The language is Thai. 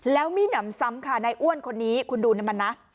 แล้วมีหนำซ้ำค่ะนายอ้วนคนนี้คุณดูนะมันนะ